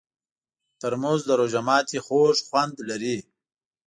ترموز د روژه ماتي خوږ خوند لري.